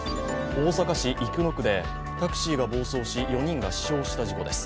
大阪市生野区でタクシーが暴走し４人が死傷した事故です。